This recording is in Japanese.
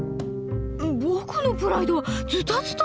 ボクのプライドはズタズタだよ。